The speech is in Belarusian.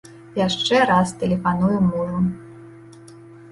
Яшчэ раз тэлефаную мужу.